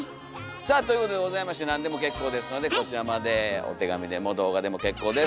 さあということでございまして何でも結構ですのでこちらまでお手紙でも動画でも結構です。